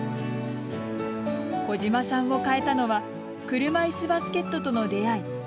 小島さんを変えたのは車いすバスケットとの出会い。